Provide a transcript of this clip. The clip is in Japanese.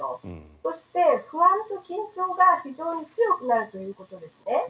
そして、不安と緊張が非常に強くなるということとですね。